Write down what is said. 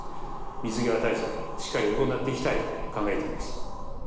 水際対策、しっかり行っていきたいと考えています。